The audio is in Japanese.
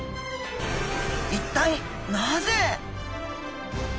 一体なぜ？